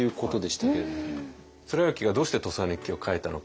貫之がどうして「土佐日記」を書いたのか。